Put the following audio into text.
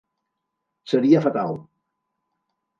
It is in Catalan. Seria fatal.